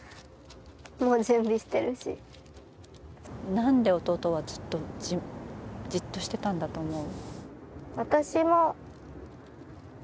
なんで弟はずっとじっとしてたんだと思う？